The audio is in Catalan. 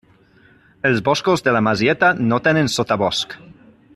Els boscos de la Masieta no tenen sotabosc.